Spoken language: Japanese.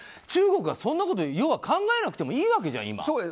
中国はそんなこと考えなくてもいいわけじゃない。